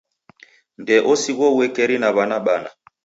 Ndee osighwa uekeri na w'ana bana.